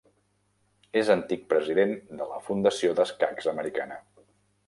És antic president de la Fundació d'escacs americana.